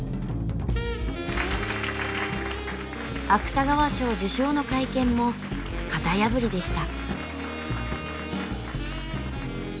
芥川賞受賞の会見も型破りでした。